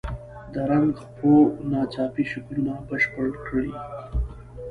د رنګه خپو ناڅاپي شکلونه بشپړ کړئ.